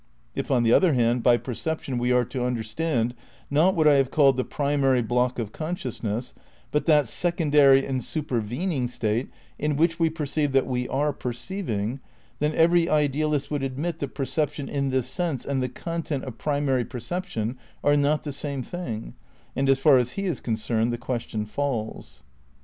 If, on the other hand, by perception we are to understand, not what I have called the primary block of consciousness, but that secondary and supervening state in which we per ceive that we are perceiving, then every idealist would admit that perception in this sense and the content of primary perception are not the same thing, and as far as he is concerned the question falls.